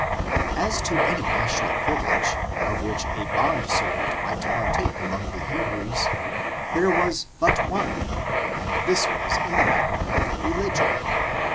As to any national privilege, of which a bond senh ant might partake among the Hebrews, there was but onBj and this was in the matter of rehgion.